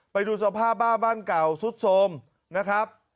ไปดูสภาพบ้านเก่าสุดโทรมนะครับ